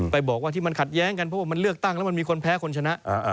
ไปบอกว่าที่มันขัดแย้งกันเพราะว่ามันเลือกตั้งแล้วมันมีคนแพ้คนชนะ